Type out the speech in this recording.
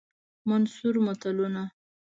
منثور متلونه